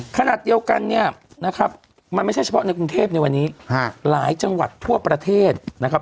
ขณะเดียวกันเนี่ยนะครับมันไม่ใช่เฉพาะในกรุงเทพในวันนี้หลายจังหวัดทั่วประเทศนะครับ